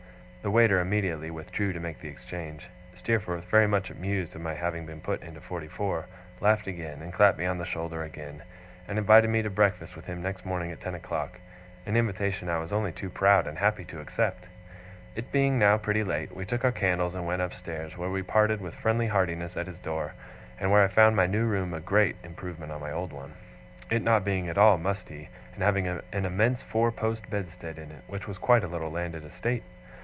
The waiter immediately withdrew to make the exchange. Steerforth, very much amused at my having been put into forty four, laughed again, and clapped me on the shoulder again, and invited me to breakfast with him next morning at ten o'clock an invitation I was only too proud and happy to accept. It being now pretty late, we took our candles and went upstairs, where we parted with friendly heartiness at his door, and where I found my new room a great improvement on my old one, it not being at all musty, and having an immense four post bedstead in it, which was quite a little landed estate.